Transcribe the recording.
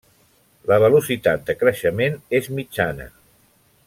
La velocitat de creixement és mitjana.